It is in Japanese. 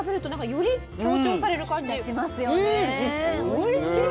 おいしい！